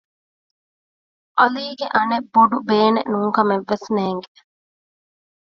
ޢަލީގެ އަނެއް ބޮޑުބޭނެ ނޫންކަމެއް ވެސް ނޭނގެ